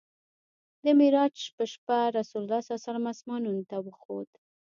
د معراج په شپه رسول الله اسمانونو ته وخوت.